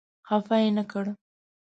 خپه یې نه کړ.